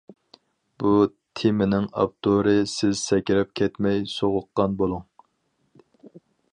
بۇ تېمىنىڭ ئاپتورى سىز سەكرەپ كەتمەي سوغۇققان بولۇڭ.